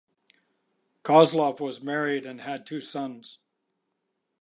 Kozlov was married and had two sons.